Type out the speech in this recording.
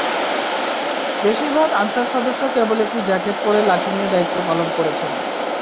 বেশির ভাগ আনসার সদস্য কেবল একটি জ্যাকেট পরে লাঠি নিয়ে দায়িত্ব পালন করেছেন।